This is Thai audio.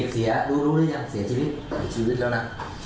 เสียชีวิตแล้วนะ